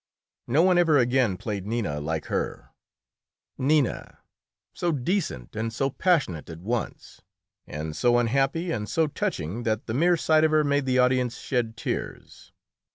No one ever again played Nina like her Nina, so decent and so passionate at once, and so unhappy and so touching that the mere sight of her made the audience shed tears.